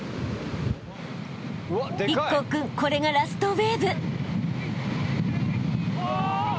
［壱孔君これがラストウエーブ］